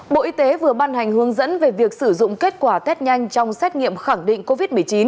bộ y tế vừa ban hành hướng dẫn về việc sử dụng kết quả test nhanh trong xét nghiệm khẳng định covid một mươi chín